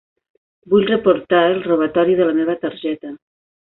Vull reportar el robatori de la meva targeta.